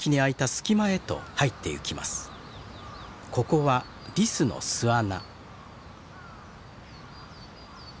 ここはリスの巣穴。